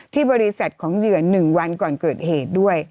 ที่บริษัทของเหยื่อ๑วันก่อนเกิดเหตุด้วย